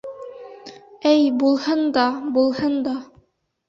Әй, булһын да... булһын да...